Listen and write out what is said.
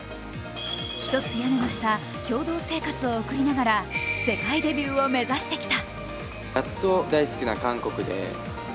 ひとつ屋根の下、共同生活を送りながら世界デビューを目指してきた。